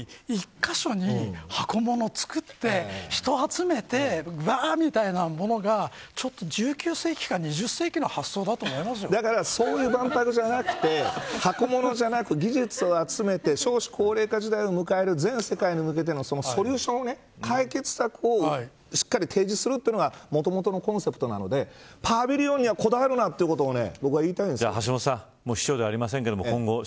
今さら言ってもしょうがないけど一カ所に箱物を造って人を集めてばーみたいなものが１９世紀か２０世紀のだからそういう万博じゃなくて箱物じゃなく技術を集めて少子高齢化時代を迎える全世界に向けてのソリューションを解決策をしっかり提示するというのがもともとのコンセプトなのでパビリオンにはこだわるなということ僕は言いたいんです。